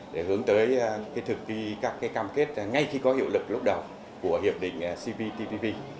để hướng tới thực thi các cam kết ngay khi có hiệu lực lúc đầu của hiệp định cptpp